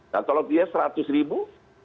nah kalau dia seratus ribu